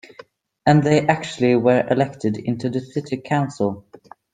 And they actually were elected into the city council.